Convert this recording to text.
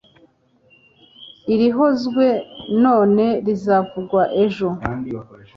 irihozwe none rizavugwa ejo